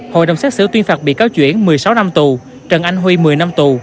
hội đồng xét xử tuyên phạt bị cáo chuyển một mươi sáu năm tù trần anh huy một mươi năm tù